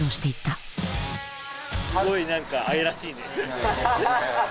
すごい何か愛らしいね。